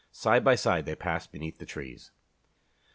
Side by side they passed beneath the trees.